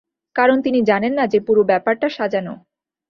কারণ তিনি জানেন না যে পুরো ব্যাপারটা সাজানো।